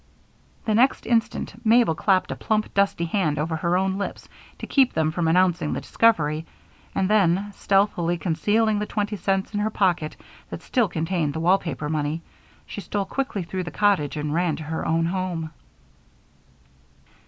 The next instant Mabel clapped a plump, dusty hand over her own lips to keep them from announcing the discovery, and then, stealthily concealing the twenty cents in the pocket that still contained the wall paper money, she stole quickly through the cottage and ran to her own home.